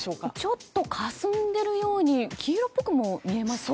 ちょっとかすんでいるように黄色くも見えますか？